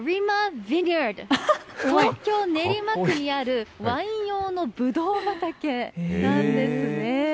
東京・練馬区にある、ワイン用のぶどう畑なんですね。